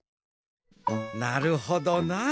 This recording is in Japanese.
なるほどな。